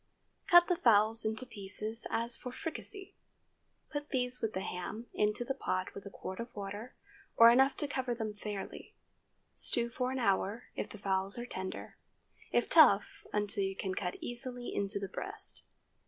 Cut the fowls into pieces as for fricassee. Put these with the ham into the pot with a quart of water, or enough to cover them fairly. Stew for an hour, if the fowls are tender; if tough, until you can cut easily into the breast.